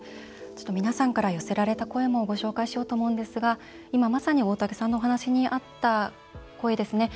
皆さんから寄せられた声もご紹介しようと思うんですが今まさに大竹さんのお話にあった声ですね。